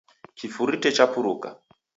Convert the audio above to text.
Kifurute chapuruka